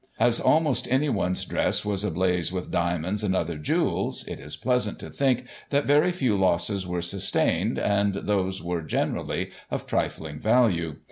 !! As almost everyone's dress was ablaze with diamonds and other jewels, it is pleasant to think, that very few losses were sustained, and those were, generally, of trifling value.